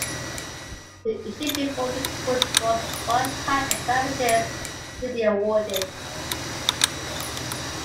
The issue before the court was what type of damages should be awarded.